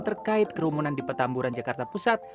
terkait kerumunan di petamburan jakarta pusat